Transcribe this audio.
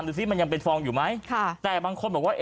ซิมันยังเป็นฟองอยู่ไหมค่ะแต่บางคนบอกว่า